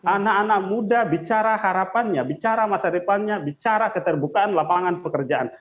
anak anak muda bicara harapannya bicara masa depannya bicara keterbukaan lapangan pekerjaan